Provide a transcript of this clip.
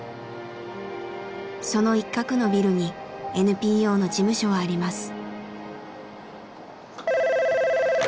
その一角のビルにＮＰＯの事務所はあります。